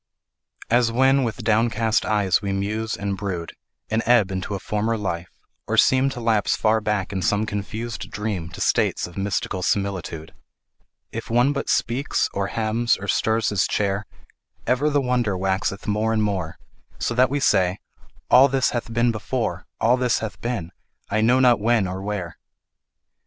As when with downcast eyes we muse and brood, And ebb into a former life, or seem To lapse far back in some confused dream To states of mystical similitude; If one but speaks or hems or stirs his chair, Ever the wonder waxeth more and more, So that we say, "All this hath been before, All this hath been, I know not when or where".